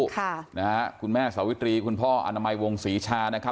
ค่ะนะฮะคุณแม่สาวิตรีคุณพ่ออนามัยวงศรีชานะครับ